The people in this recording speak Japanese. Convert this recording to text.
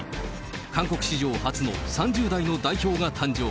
韓国史上初の３０代の代表が誕生。